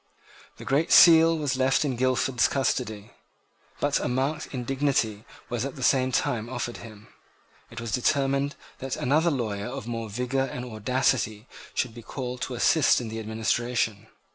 The Great Seal was left in Guildford's custody; but a marked indignity was at the same time offered to him. It was determined that another lawyer of more vigour and audacity should be called to assist in the administration.